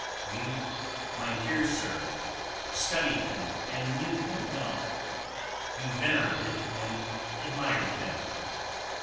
You, my dear Sir, studied him, and knew him well: you venerated and admired him.